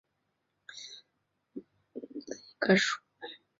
纹绡蝶属是蛱蝶科斑蝶亚科绡蝶族中的一个属。